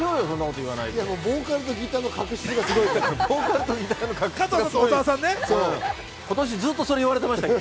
ボーカルとギターの確執がすごいから。